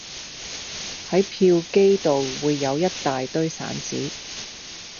喺票機度會有一大堆散紙